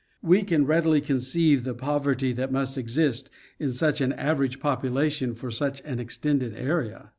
We can readily conceive the poverty that must exist in such an average population for such an extended area.